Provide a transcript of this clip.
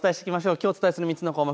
きょうお伝えする３つの項目